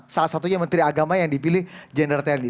salah satunya menteri agama yang dipilih jenderal tni